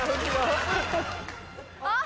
あっ！